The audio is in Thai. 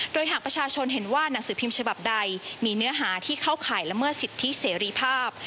โดยหากประชาชนเห็นว่าหนังสือพิมพ์ฉบับใดมีเนื้อหาที่เข้าข่ายละเมิดสิทธิเสรีภาพ